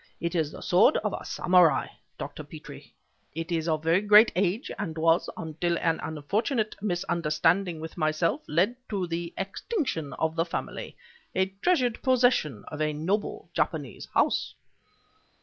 It is the sword of a samurai, Dr. Petrie. It is of very great age, and was, until an unfortunate misunderstanding with myself led to the extinction of the family, a treasured possession of a noble Japanese house..."